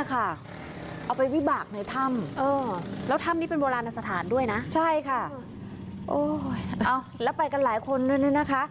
นี่ค่ะเอาไปวิบากในธรรมเออแล้วธรรมนี้เป็นโบราณสถานด้วยนะใช่ค่ะโอ้ยเอาแล้วไปกันหลายคนด้วยด้วยนะคะ